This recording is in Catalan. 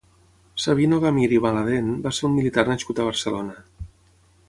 Sabino Gamir i Maladen va ser un militar nascut a Barcelona.